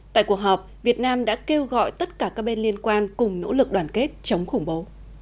tại cuộc họp việt nam đã kêu gọi tất cả các bên liên quan cùng nỗ lực đoàn kết chống khủng bố